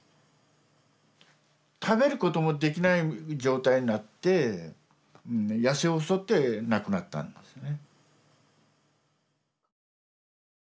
食べることもできない状態になって痩せ細って亡くなったんですね。